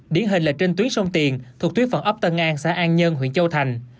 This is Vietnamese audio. điển hình là trên tuyến sông tiền thu thúy phận ấp tân an xã an nhân huyện châu thành